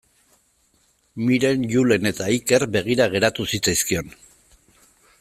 Miren, Julen eta Iker begira geratu zitzaizkion.